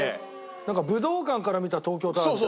なんか武道館から見た東京タワーみたい。